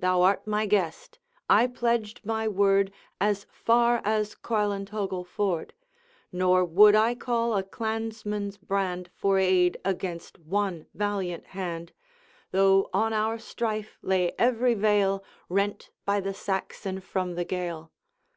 Thou art my guest; I pledged my word As far as Coilantogle ford: Nor would I call a clansman's brand For aid against one valiant hand, Though on our strife lay every vale Rent by the Saxon from the Gael.